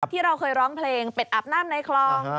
ที่เราเคยร้องเพลงเป็ดอาบน้ำในคลอง